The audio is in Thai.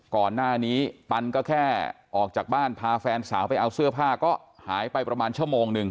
ก่อนหน้านี้ปันก็แค่ออกจากบ้านพาแฟนสาวไปเอาเสื้อผ้าก็หายไปประมาณชั่วโมงหนึ่ง